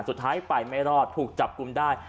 สุดท้ายไปไม่รอดถูกจับกลุ่มได้